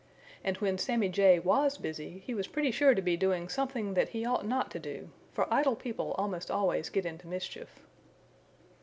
And when Sammy Jay WAS busy, he was pretty sure to be doing something that he ought not to do, for idle people almost always get into mischief.